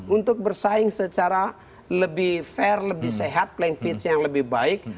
untuk bersaing secara lebih fair lebih sehat plan fitch yang lebih baik